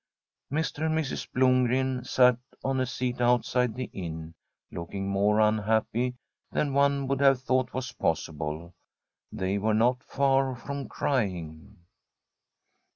Mr. and Mrs. Blomgren sat on a seat outside the inn, looking more unhappy than one would have thought was possible. They were not far from crying.